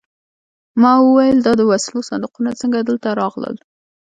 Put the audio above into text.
ما وویل دا د وسلو صندوقونه څنګه دلته راغلل